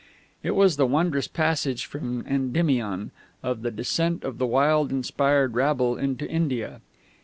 "_ It was the wondrous passage from Endymion, of the descent of the wild inspired rabble into India.